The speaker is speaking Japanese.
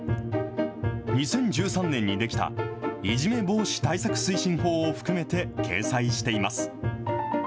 ２０１３年に出来たいじめ防止対策推進法を含めて掲載しています。